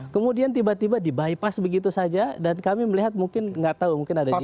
kemudian tiba tiba dibipas begitu saja dan kami melihat mungkin gak tau mungkin ada dinamika